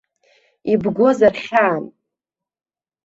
Ибгозар хьаам.